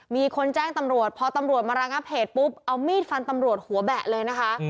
มีคนแจ้งตำรวจพอตำรวจมาระงับเหตุปุ๊บเอามีดฟันตำรวจหัวแบะเลยนะคะ